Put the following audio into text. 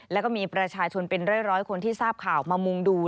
แล้วก็มีประชาชนเป็นร้อยคนที่ทราบข่าวมามุงดู